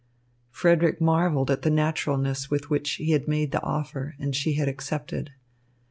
Frederick marvelled at the naturalness with which he had made the offer and she had accepted.